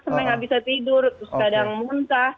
sampai nggak bisa tidur terus kadang muntah